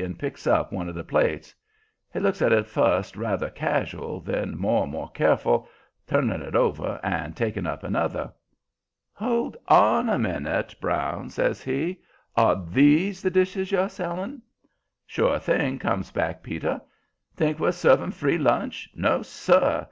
and picks up one of the plates. He looks at it first ruther casual; then more and more careful, turning it over and taking up another. "Hold on a minute, Brown," says he. "Are THESE the dishes you're selling?" "Sure thing," comes back Peter. "Think we're serving free lunch? No, sir!